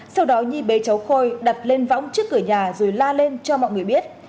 sau đó nhi bế cháu khôi đặt lên võng trước cửa nhà rồi la lên cho mọi người biết